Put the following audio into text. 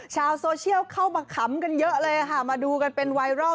ชาวโซเชียลเข้ามาขำกันเยอะเลยค่ะมาดูกันเป็นไวรัล